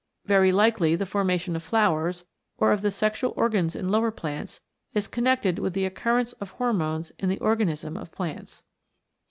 Very likely the formation of flowers, or of the sexual organs in lower plants, is con nected with the occurrence of Hormones in the organism of plants.